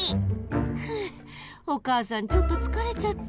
ふうお母さんちょっとつかれちゃった。